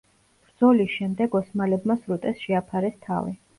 ბრძოლის შემდეგ ოსმალებმა სრუტეს შეაფარეს თავი.